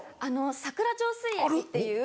桜上水駅っていう。